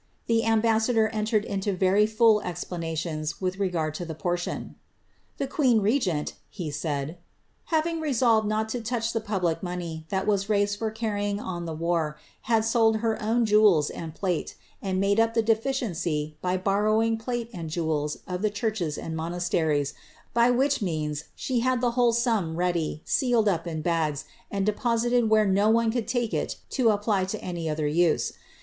The ambassador entered into very full explanations with regard to ifai i portion. ^^ The queen regent," lie said, ^ having resolved not to touch , the public money that was raised for carr}'ing on the war, had sold her '■■ own jewels and plate, and made up the deficiency by borrowing phlt [ and jewels of the churches and monasteries, by which means she hal , the whole sum ready, sealed up in bags, and deposited where no one :. could uike it to apply to any other use.